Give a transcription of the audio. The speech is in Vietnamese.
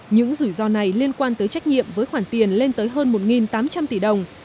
những rủi ro này liên quan tới trách nhiệm với khoản tiền lên tới hơn một tám trăm linh tỷ đồng